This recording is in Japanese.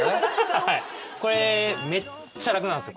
はいこれめっちゃ楽なんですよ